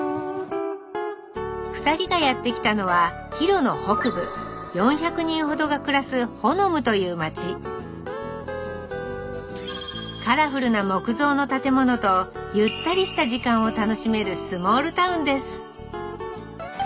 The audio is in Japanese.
２人がやって来たのはヒロの北部４００人ほどが暮らすホノムという町カラフルな木造の建物とゆったりした時間を楽しめるスモールタウンです